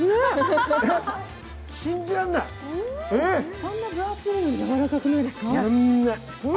そんな分厚いのにやわらかくないですか？